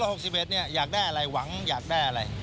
แล้วปีใหม่ปี๒๑๖๑อยากได้อะไรหวังอยากได้อะไร